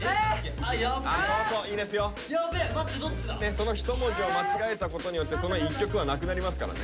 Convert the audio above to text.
そのひと文字を間違えたことによってその一曲はなくなりますからね。